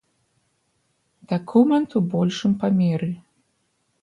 Дакумент у большым памеры.